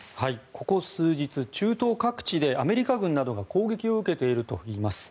ここ数日、中東各地でアメリカ軍などが攻撃を受けているといいます。